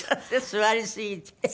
座りすぎて。